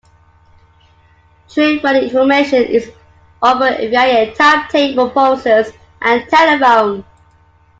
Train running information is offered via timetable posters and telephone.